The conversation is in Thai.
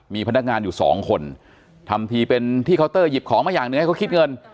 มีพนักงานอยู่สองคนทำทีเป็นที่เคาน์เตอร์หยิบของมาอย่างหนึ่งให้เขาคิดเงิน